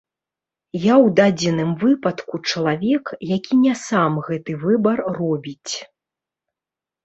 Я ў дадзеным выпадку чалавек, які не сам гэты выбар робіць.